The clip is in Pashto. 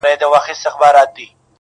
که راتلې زه در څخه هېر نه سمه~